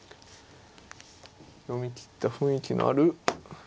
読み切った雰囲気のある。